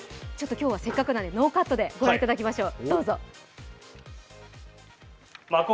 今日はせっかくなのでノーカットでご覧いただきましょう。